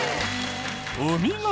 お見事！